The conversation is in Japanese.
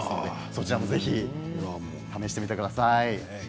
そちらもぜひ試してみてください。